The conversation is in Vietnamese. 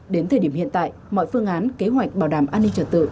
đến thời điểm hiện tại mọi phương án kế hoạch bảo đảm an ninh trật tự